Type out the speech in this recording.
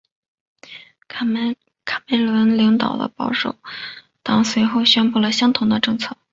卡梅伦领导的保守党随后宣布了相同的政策。